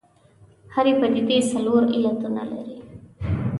هرې پدیدې څلور علتونه لري.